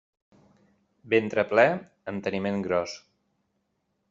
Ventre ple, enteniment gros.